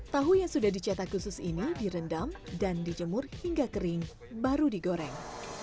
tahu yang sudah dicetak khusus ini direndam dan dijemur hingga kering baru digoreng